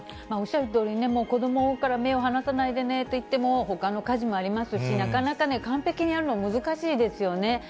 おっしゃるとおりね、子どもから目を離さないでねといっても、ほかの家事もありますし、なかなかね、完璧にやるの難しいですよね。